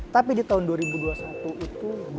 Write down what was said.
tapi di tahun dua ribu dua puluh satu itu dua puluh enam